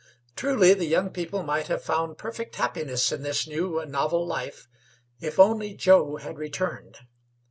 Truly, the young people might have found perfect happiness in this new and novel life, if only Joe had returned.